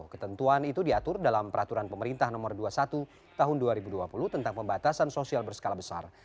ketentuan itu diatur dalam peraturan pemerintah nomor dua puluh satu tahun dua ribu dua puluh tentang pembatasan sosial berskala besar